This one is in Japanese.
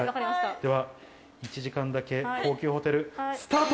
では１時間だけ高級ホテル、スタート！